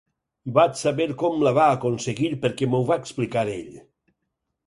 Vaig saber com la va aconseguir perquè m'ho va explicar ell.